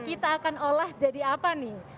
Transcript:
kita akan olah jadi apa nih